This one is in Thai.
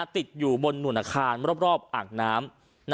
ติดอยู่มนุ่นอาคารรอบอักน้ำ